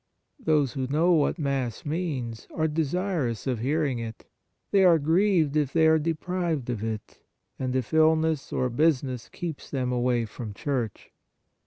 Those who know what Mass means are desirous of hearing it. They are grieved if they are deprived of it, and if illness or business keeps them away from church.